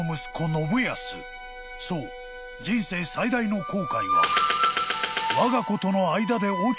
［そう人生最大の後悔は］